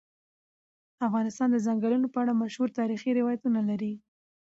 افغانستان د ځنګلونه په اړه مشهور تاریخی روایتونه لري.